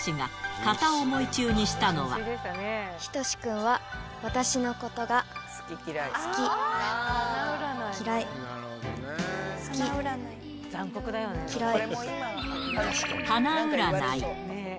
人志君は私のことが好き、花占い。